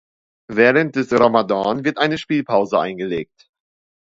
Während des Ramadan wird eine Spielpause eingelegt.